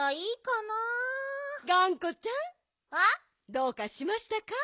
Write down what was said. どうかしましたか？